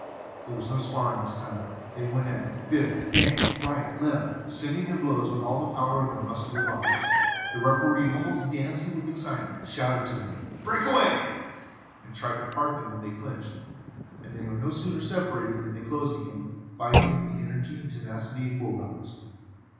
There was no sparring this time they went at it biff, bang, right and left, sending in their blows with all the power of their muscular bodies. The Referee, almost dancing with excitement, shouted to them to "break away," and tried to part them when they clinched, but they were no sooner separated than they closed again, fighting with the energy and tenacity of bull dogs.